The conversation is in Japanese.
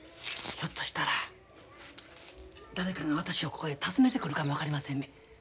ひょっとしたら誰かが私をここへ訪ねてくるかも分かりません。